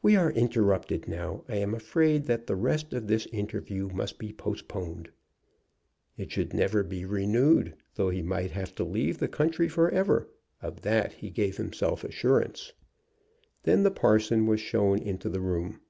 "We are interrupted now. I am afraid that the rest of this interview must be postponed." It should never be renewed, though he might have to leave the country forever. Of that he gave himself assurance. Then the parson was shown into the room.